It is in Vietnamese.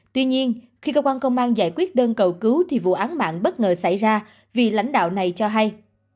tuy nhiên khi cơ quan công an giải quyết đơn cầu cứu thì vụ án mạng bất ngờ xảy ra vì lãnh đạo này cho hay